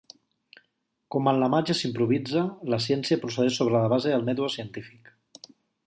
Com en la màgia s'improvisa, la ciència procedeix sobre la base del mètode científic.